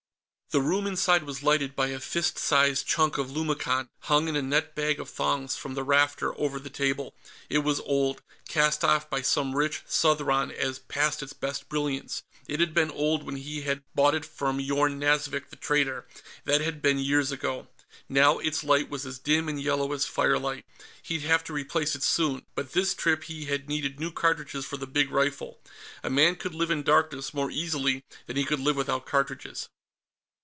The room inside was lighted by a fist sized chunk of lumicon, hung in a net bag of thongs from the rafter over the table. It was old cast off by some rich Southron as past its best brilliance, it had been old when he had bought it from Yorn Nazvik the Trader, and that had been years ago. Now its light was as dim and yellow as firelight. He'd have to replace it soon, but this trip he had needed new cartridges for the big rifle. A man could live in darkness more easily than he could live without cartridges.